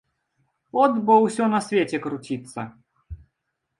От бо ўсё на свеце круціцца.